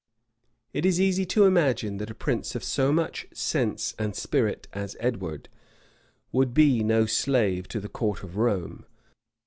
[] It is easy to imagine, that a prince of so much sense and spirit as Edward, would be no slave to the court of Rome.